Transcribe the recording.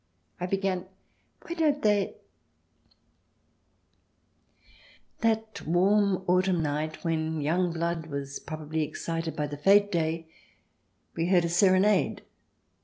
I began :" Why don't they " That warm autumn night, when young blood was probably excited by the fete day, we heard a serenade.